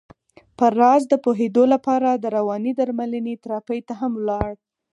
پر راز د پوهېدو لپاره د روانې درملنې تراپۍ ته هم ولاړ.